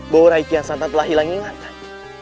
bahwa rai kian santang telah hilang ingatan